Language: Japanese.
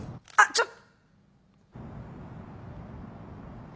ちょっ。